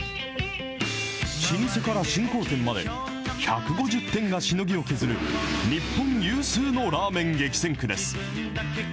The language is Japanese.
老舗から振興店まで１５０店がしのぎを削る、日本有数のらーめん激戦区です。